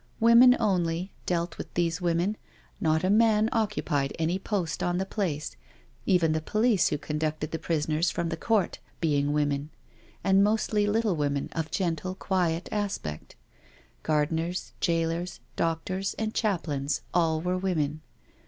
Women only, dealt with these women — ^not a man occupied any post on the place, even the police who conducted the prisoners from the court being women, and mostly little women of gentle, quiet aspect. Gardeners, jailors, doctors, and chaplains, all were women.